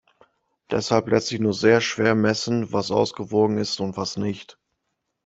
Deshalb lässt sich nur sehr schwer messen, was ausgewogen ist und was nicht.